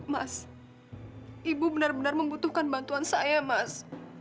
mas ibu benar benar membutuhkan bantuan saya mas